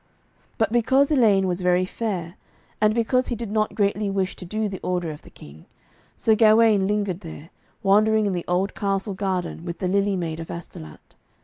But because Elaine was very fair, and because he did not greatly wish to do the order of the King, Sir Gawaine lingered there, wandering in the old castle garden, with 'the Lily Maid of Astolat.'